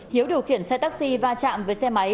hiếu điều khiển xe taxi va chạm với xe máy